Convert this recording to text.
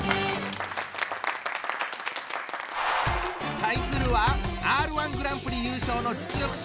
対するはＲ−１グランプリ優勝の実力者！